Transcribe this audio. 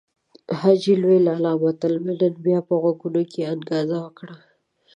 د حاجي لوی لالا متل مې نن بيا په غوږونو کې انګازه وکړه.